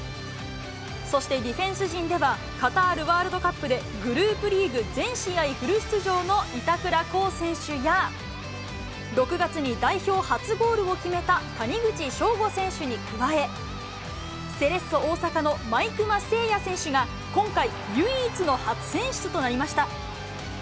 そしてディフェンス陣では、カタールワールドカップでグループリーグ全試合フル出場の板倉滉選手や、６月に代表初ゴールを決めた谷口彰悟選手に加え、セレッソ大阪の毎熊晟矢選手が今回、唯一の初選出となりました。